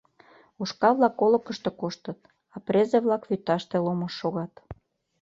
Ушкал-влак олыкышто коштыт, а презе-влак вӱташте ломыж шогат.